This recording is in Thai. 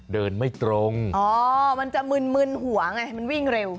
เดินไม่ตรงอ๋อมันจะมึนมึนหัวไงมันวิ่งเร็ว